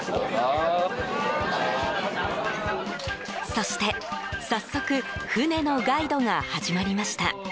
そして早速船のガイドが始まりました。